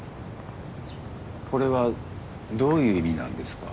これはどういう意味なんですか？